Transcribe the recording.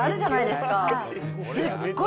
すっごい